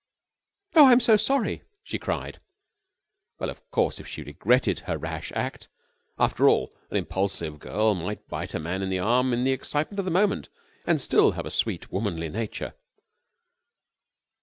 "Oh, I'm so sorry!" she cried. Well, of course, if she regretted her rash act ... After all, an impulsive girl might bite a man in the arm in the excitement of the moment and still have a sweet, womanly nature....